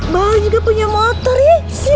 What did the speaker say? mbak juga punya motor ya